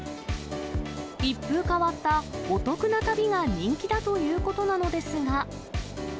一風変わったお得な旅が人気だということなのですが。